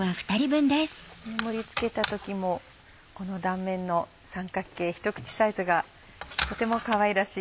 盛り付けた時もこの断面の三角形ひと口サイズがとてもかわいらしい。